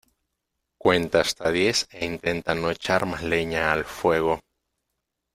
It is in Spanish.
Cuenta hasta diez e intenta no echar más leña al fuego.